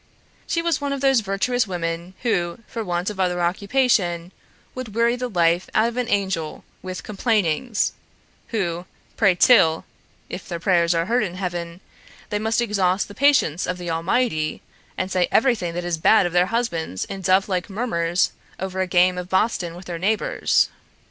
She was one of those virtuous women who, for want of other occupation, would weary the life out of an angel with complainings, who pray till (if their prayers are heard in heaven) they must exhaust the patience of the Almighty, and say everything that is bad of their husbands in dove like murmurs over a game of boston with their neighbors.